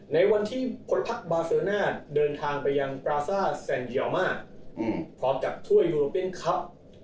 ในวันที่คนพักบาเซลน่าเดินทางไปยังปราซ่าแซนเยอม่าพร้อมกับทั่วยุโรเปียนคลับ